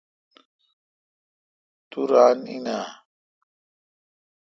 تو ران این۔ اؘ